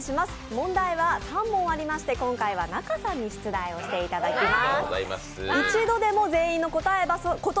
問題は３問ありまして今回は仲さんに出題していただきます。